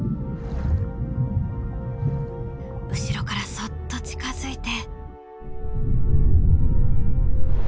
後ろからそっと近づいて。